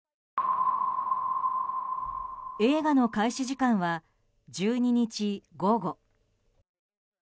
映画の開始時間は１２日午後。